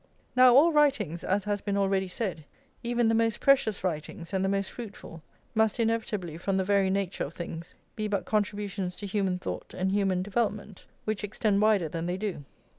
Now all writings, as has been already said, even the most precious writings and the most fruitful, must inevitably, from the very nature of things, be but contributions to human thought and human development, which extend wider than they do.